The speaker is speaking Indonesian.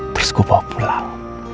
terus gue bawa pulang